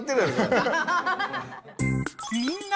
みんな！